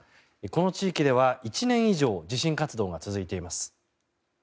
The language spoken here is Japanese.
この地域では１年以上地震活動が続いています。